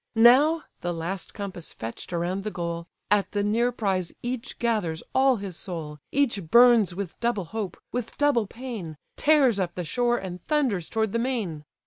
Now (the last compass fetch'd around the goal) At the near prize each gathers all his soul, Each burns with double hope, with double pain, Tears up the shore, and thunders toward the main.